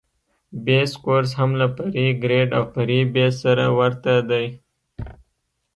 بیس کورس هم له فرعي ګریډ او فرعي بیس سره ورته دی